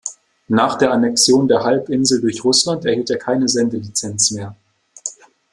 Nach der Annexion der Halbinsel durch Russland erhielt er keine Sendelizenz mehr.